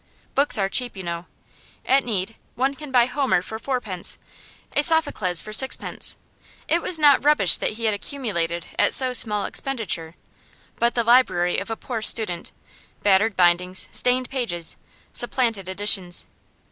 Books are cheap, you know. At need, one can buy a Homer for fourpence, a Sophocles for sixpence. It was not rubbish that he had accumulated at so small expenditure, but the library of a poor student battered bindings, stained pages, supplanted editions.